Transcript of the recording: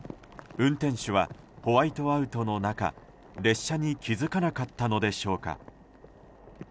運転手はホワイトアウトの中列車に気づかなかったのでしょうか。